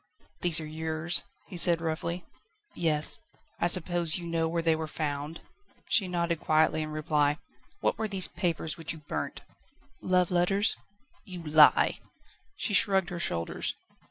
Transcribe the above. "These are yours?" he said roughly. "Yes." "I suppose you know where they were found?" She nodded quietly in reply. "What were these papers which you burnt?" "Love letters." "You lie!" She shrugged her shoulders.